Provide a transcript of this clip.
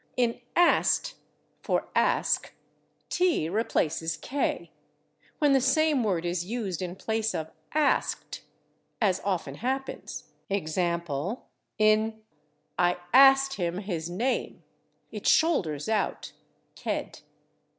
In /ast/ (for /ask/) /t/ replaces /k/: when the same word is used in place of /asked/, as often happens, /e. g./, in "I /ast/ him his name," it shoulders out /ked